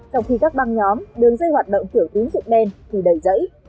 trong khi các băng nhóm đường dây hoạt động kiểu tín dụng men thì đầy dẫy